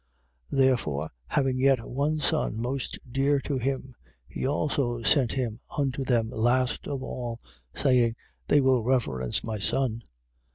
12:6. Therefore, having yet one son, most dear to him, he also sent him unto them last of all, saying: They will reverence my son.